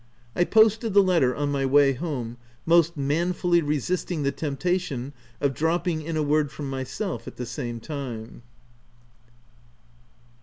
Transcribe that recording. I posted the letter on my way home, most manfully resisting the temptation of dropping in a word from my self the same time.